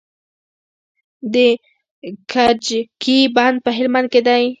د کجکي بند په هلمند کې دی